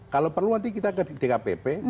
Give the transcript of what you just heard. kalau perlu nanti kita ke dkpp